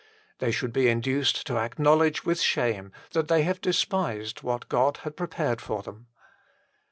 They should be induced to acknowledge with shame that they have despised what God had prepared for them.